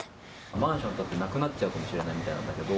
マンション建ってなくなっちゃうみたいなんだけど。